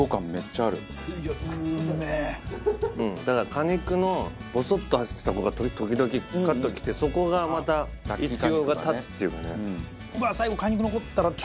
果肉のボソッとしたとこが時々カッときてそこがまたいちごが立つっていうかね。